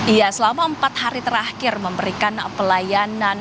iya selama empat hari terakhir memberikan pelayanan